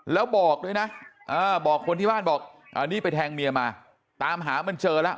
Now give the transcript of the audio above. แล้วบอกด้วยนะบอกคนที่บ้านบอกอันนี้ไปแทงเมียมาตามหามันเจอแล้ว